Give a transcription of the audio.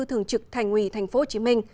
thường trực thành ủy tp hcm